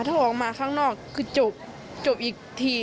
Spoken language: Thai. ถ้าออกมาข้างนอกคือจบอีกที